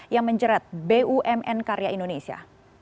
yang menjerat bumn karya indonesia